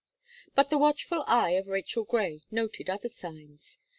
But the watchful eye of Rachel Gray noted other signs.